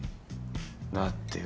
だってよ